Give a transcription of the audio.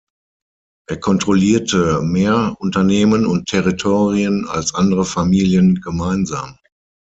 Er kontrollierte mehr Unternehmen und Territorien als andere Familien gemeinsam.